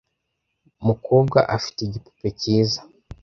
mukobwa afite igipupe cyiza.